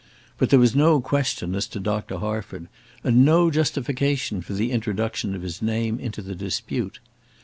But there was no question as to Dr. Harford, and no justification for the introduction of his name into the dispute.